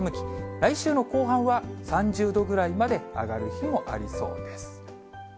来週の後半は、３０度ぐらいまで上がる日もありそうです。